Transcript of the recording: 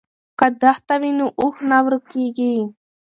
که دښته وي نو اوښ نه ورکیږي.